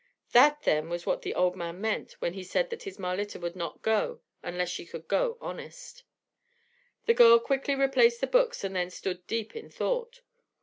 That, then, was what the old man meant when he said that his Marlitta would not go unless she could "go honest." The girl quickly replaced the books and then stood deep in thought.